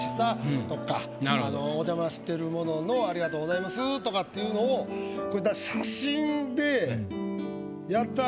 お邪魔してる者の「ありがとうございます」とかっていうのをこれ。